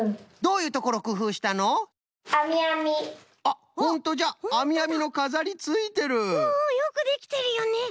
うんうんよくできてるよね！